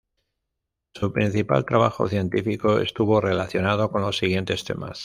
Su principal trabajo científico estuvo relacionado con los siguientes temas.